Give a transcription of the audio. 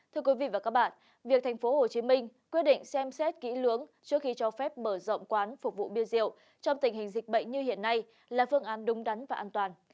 thưa quý vị và các bạn việc thành phố hồ chí minh quyết định xem xét kỹ lưỡng trước khi cho phép mở rộng quán phục vụ bia rượu trong tình hình dịch bệnh như hiện nay là phương án đúng đắn và an toàn